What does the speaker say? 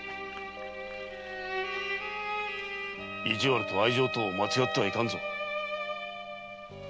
意地悪と愛情とを間違ってはいかんぞ。